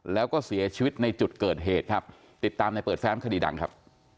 แล้วก็เสียชีวิตในจุดเกิดเหตุครับติดตามในเปิดแฟ้มคดีดังครับ